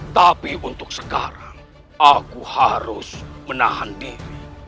tapi untuk sekarang aku harus menahan diri